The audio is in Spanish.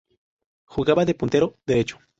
Jugaba de puntero derecho.